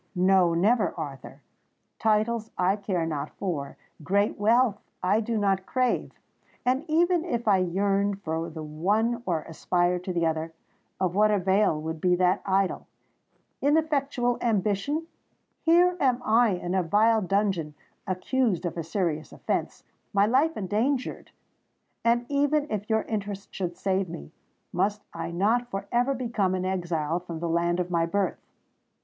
No—never, Arthur! Titles I care not for—great wealth I do not crave;—and even if I yearned for the one or aspired to the other, of what avail would be that idle—ineffectual ambition? Here am I in a vile dungeon—accused of a serious offence—my life endangered! And, even if your interest should save me, must I not for ever become an exile from the land of my birth?